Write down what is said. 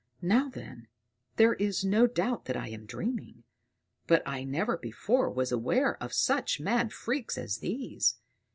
"Now then, there is no doubt that I am dreaming; but I never before was aware of such mad freaks as these."